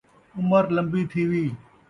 عمر لمبی تھیوی